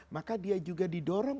maka dia juga didorong